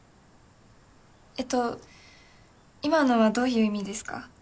えっと今のはどういう意味ですか？